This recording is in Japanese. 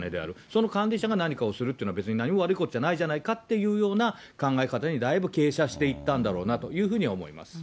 その管理者が何かをするというのは、何も別に悪いことじゃないじゃないかというふうに、考え方にだいぶ傾斜していったんだろうなというふうに思います。